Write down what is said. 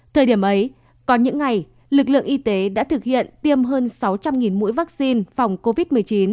thời điểm ấy có những ngày lực lượng y tế đã thực hiện tiêm hơn sáu trăm linh mũi vaccine phòng covid một mươi chín